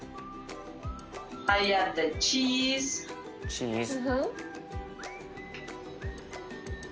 チーズ。